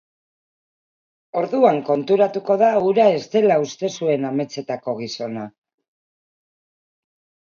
Orduan konturatuko da hura ez dela uste zuen ametsetako gizona.